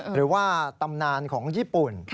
หรือว่าตำนานของญี่ปุ่น